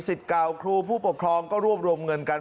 เก่าครูผู้ปกครองก็รวบรวมเงินกัน